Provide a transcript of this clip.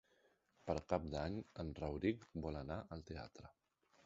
Per Cap d'Any en Rauric vol anar al teatre.